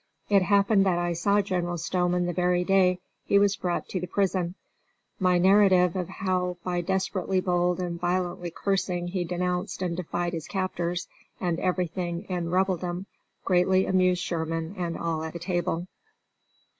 It happened that I saw General Stoneman the very day he was brought to the prison. My narrative of how by desperately bold and violent cursing he denounced and defied his captors, and everything in Rebeldom, greatly amused Sherman and all at the table.